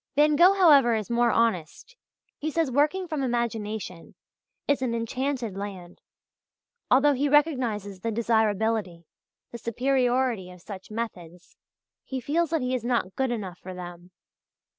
Van Gogh, however, is more honest. He says working from imagination is an "enchanted land" (page 112). Although he recognizes the desirability, the superiority, of such methods, he feels that he is not good enough for them.